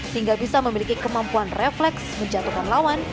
sehingga bisa memiliki kemampuan refleks menjatuhkan lawan